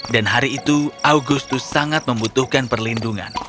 hari itu agustus sangat membutuhkan perlindungan